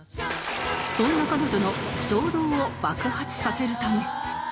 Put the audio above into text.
そんな彼女の衝動を爆発させるため